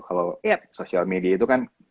kalau social media itu kan